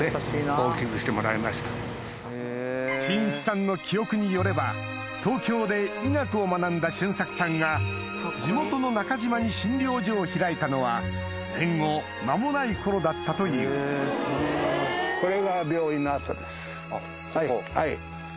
真一さんの記憶によれば東京で医学を学んだ俊策さんが地元の中島に診療所を開いたのは戦後間もない頃だったというここ。